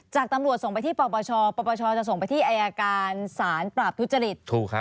จากตำรวจส่งไปที่ปปชปปชจะส่งไปที่อายการสารปราบทุจริต